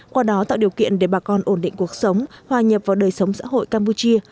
qua đó tạo điều kiện để bà con ổn định cuộc sống hòa nhập vào đời sống xã hội campuchia